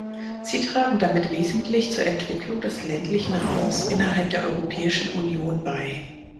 Sie tragen damit wesentlich zur Entwicklung des ländlichen Raums innerhalb der Europäischen Union bei.